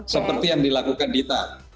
seperti yang dilakukan dita